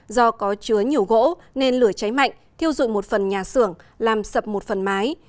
do có chứa nhiều gỗ nên lửa cháy mạnh thiêu dụi một phần nhà xưởng làm sập một phần mái